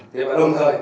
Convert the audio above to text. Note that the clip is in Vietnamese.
thế mà đồng thời